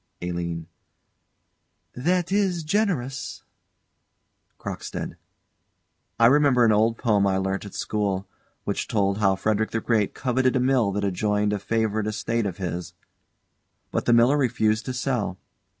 ALINE. That is generous. CROCKSTEAD. I remember an old poem I learnt at school which told how Frederick the Great coveted a mill that adjoined a favourite estate of his; but the miller refused to sell.